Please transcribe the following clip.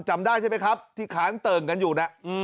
จำได้ใช่ไหมครับที่ค้างเติ่งกันอยู่นะ